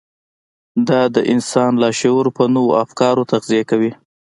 دا د انسان لاشعور په نويو افکارو تغذيه کوي.